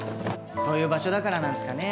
そういう場所だからなんすかね